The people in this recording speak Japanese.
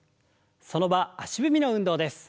その場足踏みの運動です。